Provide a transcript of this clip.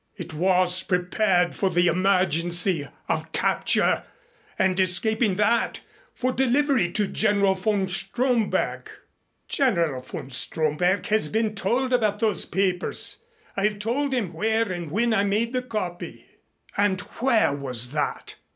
It was prepared for the emergency of capture and, escaping that, for delivery to General von Stromberg." "General von Stromberg has been told about those papers. I have told him where and when I made the copy." "And where was that?"